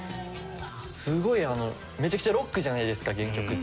すごいあのめちゃくちゃロックじゃないですか原曲って。